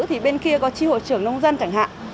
thì bên kia có tri hội trưởng nông dân chẳng hạn